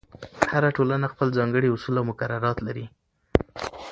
هر ټولنه خپل ځانګړي اصول او مقررات لري.